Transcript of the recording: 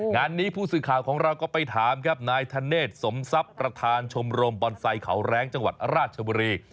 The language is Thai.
งานนี้ผู้สื่อข่าวของเราก็ไปถามครับนายธเนธสมทรัพย์ประธานชมรมบอนไซค์เขาแรงจังหวัดราชบุรี